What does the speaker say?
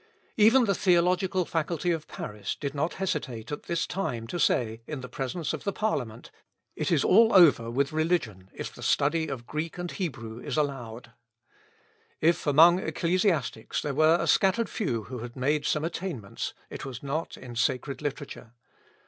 " Even the Theological Faculty of Paris did not hesitate at this time to say, in presence of the Parliament, "It is all over with religion if the study of Greek and Hebrew is allowed." If, among ecclesiastics, there were a scattered few who had made some attainments, it was not in sacred literature.